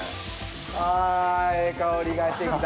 あええ香りがして来た！